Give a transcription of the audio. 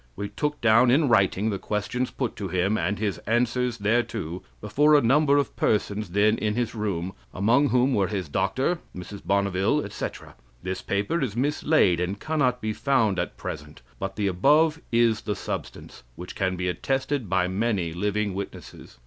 We took down in writing the questions put to him and his answers thereto, before a number of persons then in his room, among whom were his doctor, Mrs. Bonneville, etc. This paper is mislaid and can not be found at present, but the above is the substance, which can be attested by many living witnesses.